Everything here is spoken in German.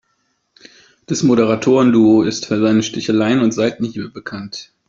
Das Moderatoren-Duo ist für seine Sticheleien und Seitenhiebe bekannt.